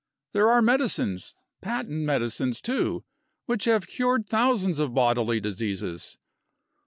There are medicines patent medicines, too which have cured thousands of bodily diseases.